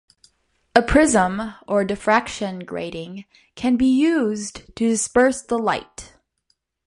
A prism or diffraction grating can be used to disperse the light.